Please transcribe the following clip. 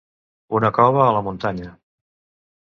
Una cova a la muntanya.